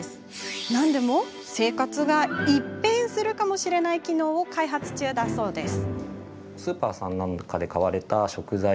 なんでも、生活が一変するかもしれない機能を開発中だそうです。